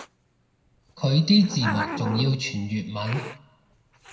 佢啲字幕仲要全粵文